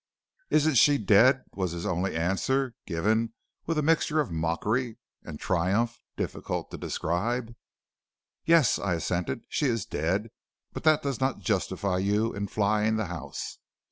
"'Isn't she dead?' was his only answer, given with a mixture of mockery and triumph difficult to describe. "'Yes,' I assented, 'she is dead; but that does not justify you in flying the house.'